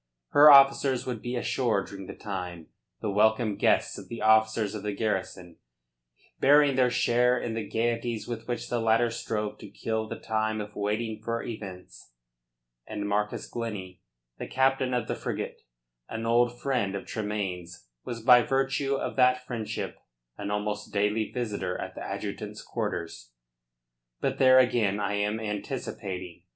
Her officers would be ashore during the time, the welcome guests of the officers of the garrison, bearing their share in the gaieties with which the latter strove to kill the time of waiting for events, and Marcus Glennie, the captain of the frigate, an old friend of Tremayne's, was by virtue of that friendship an almost daily visitor at the adjutant's quarters. But there again I am anticipating.